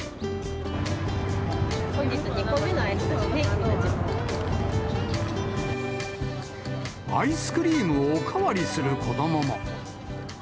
きょう、これで２個目のアイアイスクリームをお代わりする子どもも。